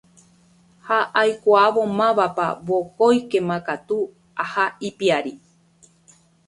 Ha aikuaávo mávapa vokóikema katu aha ipiári.